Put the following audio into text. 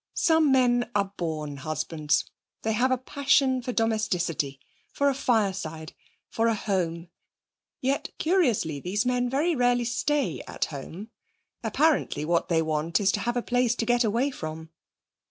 Some men are born husbands; they have a passion for domesticity, for a fireside, for a home. Yet, curiously, these men very rarely stay at home. Apparently what they want is to have a place to get away from.